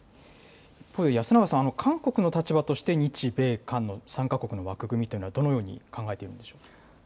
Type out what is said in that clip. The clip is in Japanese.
一方で、安永さん、韓国の立場として、日米韓の３か国の枠組みというのは、どのように考えているんでしょうか。